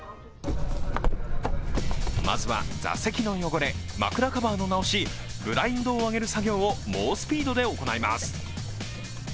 まずは座席の汚れ、枕カバーの直しブラインドを上げる作業を猛スピードで行います。